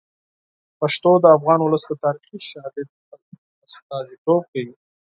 پښتو د افغان ولس د تاریخي شالید استازیتوب کوي.